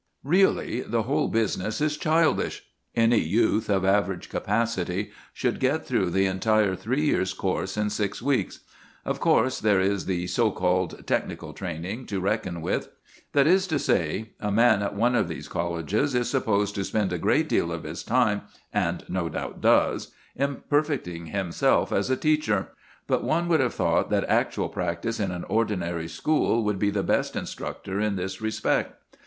Really, the whole business is childish. Any youth of average capacity should get through the entire three years' course in six weeks. Of course, there is the so called technical training to reckon with; that is to say, a man at one of these colleges is supposed to spend a great deal of his time, and no doubt does, in perfecting himself as a teacher; but one would have thought that actual practice in an ordinary school would be the best instructor in this respect.